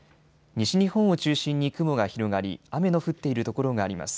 西日本を中心に雲が広がり、雨の降っている所があります。